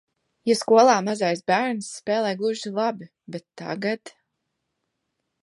Jo skolā mazais bērns spēlē gluži labi, bet tagad...